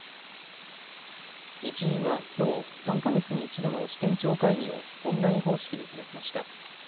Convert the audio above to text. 日銀はきょう、３か月に１度の支店長会議をオンライン方式で開きました。